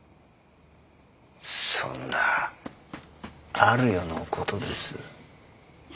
そんなある夜の事です。